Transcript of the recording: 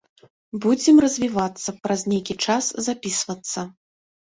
Будзем развівацца, праз нейкі час запісвацца.